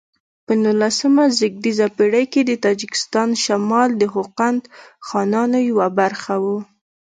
په نولسمه زېږدیزه پیړۍ کې د تاجکستان شمال د خوقند خانانو یوه برخه و.